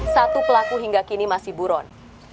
satu pelaku hingga kini masih buron